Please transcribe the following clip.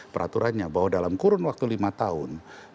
peraturannya bahwa dalam kurun waktu lima tahun